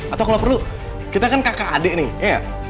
atau kalo perlu kita kan kakak adik nih iya ga